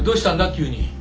急に。